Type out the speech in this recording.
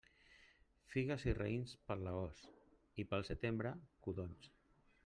Figues i raïms per l'agost, i pel setembre, codonys.